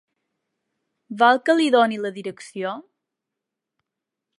Vol que li doni la direcció?